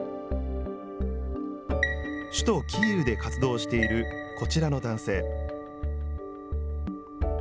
首都キーウで活動しているこちらの男性。